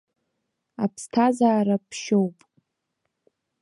Аԥсҭазаара ԥшьоуп.